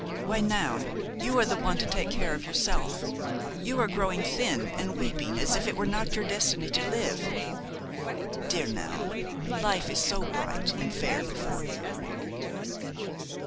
Why, Noun, you are the one to take care of yourself; you are growing thin and weeping as if it were not your destiny to live; dear Noun, live is so bright and fair before you!"